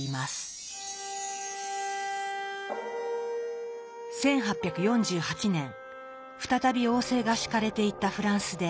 １８４８年再び王政が敷かれていたフランスで２月革命が勃発。